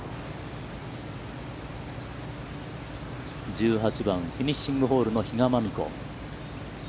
１８番、フィニッシングホールの比嘉真美子。